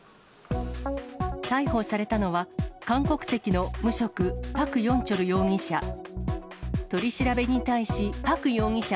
逮捕されたのは、韓国籍の無職、パク・ヨンチョル容疑者。